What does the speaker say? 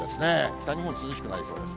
北日本、涼しくなりそうです。